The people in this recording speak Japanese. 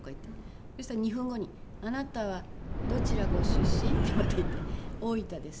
そしたら２分後に「あなたはどちらご出身？」ってまた言って「大分です」